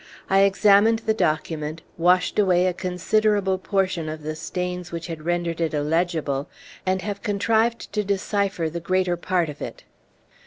I examined the document, washed away a considerable portion of the stains which had rendered it illegible, and have contrived to decipher the greater part of it."